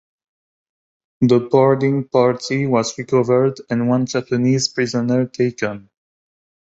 The boarding party was recovered and one Japanese prisoner taken.